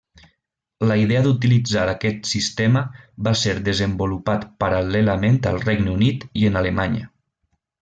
La idea d'utilitzar aquest sistema va ser desenvolupat paral·lelament al Regne Unit i en Alemanya.